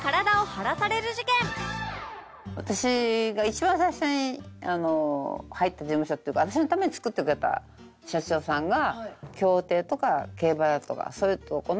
私が一番最初に入った事務所っていうか私のために作ってくれた社長さんが。